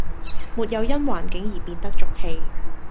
沒有因環境而變得俗氣